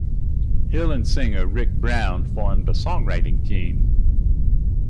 Hill and singer Rick Brown formed a songwriting team.